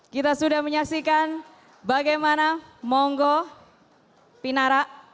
kita sudah menyaksikan bagaimana monggo pinara